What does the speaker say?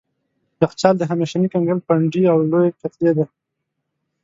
یخچال د همیشني کنګل پنډې او لويې کتلې دي.